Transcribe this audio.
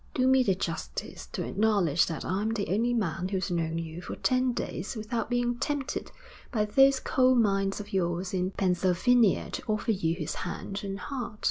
'Do me the justice to acknowledge that I'm the only man who's known you for ten days without being tempted by those coal mines of yours in Pennsylvania to offer you his hand and heart.'